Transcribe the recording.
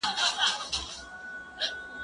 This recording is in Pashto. ايا ته مځکي ته ګورې،